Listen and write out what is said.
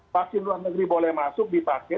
vaksin luar negeri boleh masuk dipakai